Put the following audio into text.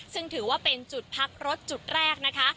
ซึ่งถือว่าเป็นจุดพักรถจุดแรกนะคะ